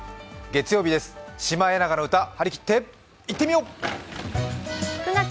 月曜日です、「シマエナガの歌」、張りきっていってみよう。